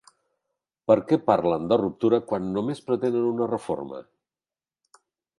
Per què parlen de ruptura quan només pretenen una reforma?